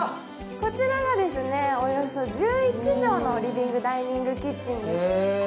こちらがおよそ１１畳のリビングダイニングキッチンです。